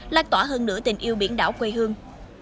lan tỏa hơn nửa tình yêu biển đảo quê hương